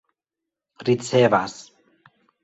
ricevas